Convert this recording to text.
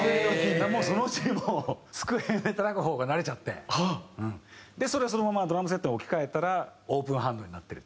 そのうちにもう机で叩く方が慣れちゃってそれをそのままドラムセットに置き換えたらオープンハンドになってる。